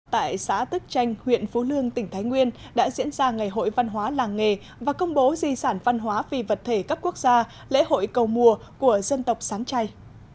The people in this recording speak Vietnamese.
tại xã tức chanh huyện phú lương tỉnh thái nguyên đã diễn ra ngày hội văn hóa làng nghề và công bố di sản văn hóa phi vật thể cấp quốc gia lễ hội cầu mùa của dân tộc sáng chay